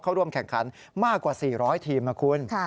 เข้าร่วมแข่งขันมากกว่า๔๐๐ทีมนะคุณ